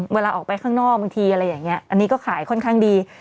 เวลาออกไปข้างนอกบางทีอะไรอย่างนี้อันนี้ก็ขายค่อนข้างดี